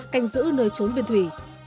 canh giữ nơi trốn biên thủy